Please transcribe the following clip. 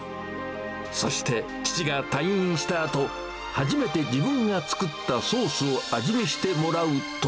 そして、父が退院したあと、初めて自分が作ったソースを味見してもらうと。